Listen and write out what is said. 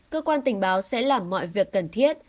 cơ quan tình báo sẽ làm mọi việc cần thiết